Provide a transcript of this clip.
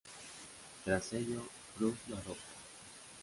Tras ello, Bruce lo adopta.